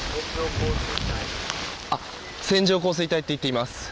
線状降水帯と言っています。